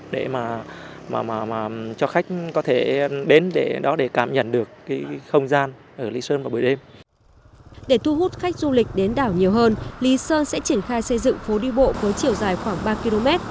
để thu hút khách du lịch đến đảo nhiều hơn lý sơn sẽ triển khai xây dựng phố đi bộ với chiều dài khoảng ba km